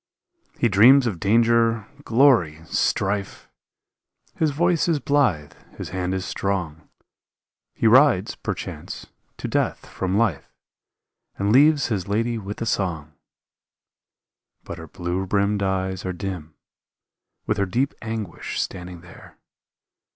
He dreams of danger, glory, strife. His voice is blithe, his hand is strong, He rides perchance to death from life And leaves his lady with a song; But her blue brimmed eyes are dim With her deep anguish standing there.